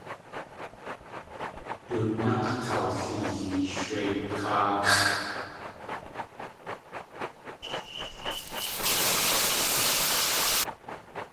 Dunák̲ kawdliyeech wé káaxʼ.